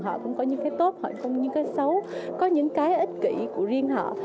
họ cũng có những cái tốt họ không những cái xấu có những cái ích kỷ của riêng họ